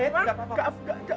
tidak enggak enggak